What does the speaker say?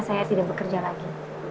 saya tidak bekerja lagi